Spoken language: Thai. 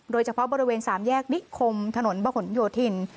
โดยเฉพาะบริเวณสามแยกนิคมถนนบะหนโยธิน